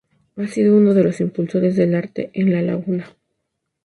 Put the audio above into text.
Ha sido uno de los impulsores del arte en la Laguna.